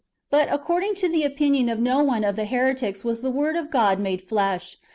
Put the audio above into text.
But accord ing to the opinion of no one of the heretics was the AYord of God made flesh.